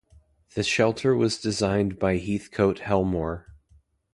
The shelter was designed by Heathcote Helmore.